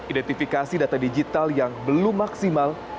identifikasi data digital yang belum maksimal